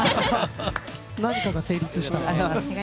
何かが成立した。